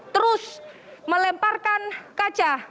terus melemparkan kaca